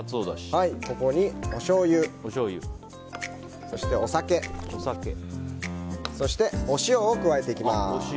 ここに、おしょうゆ、お酒そして、お塩を加えていきます。